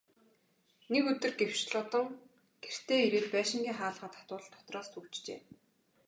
Нэг өдөр гэвш Лодон гэртээ ирээд байшингийн хаалгаа татвал дотроос түгжжээ.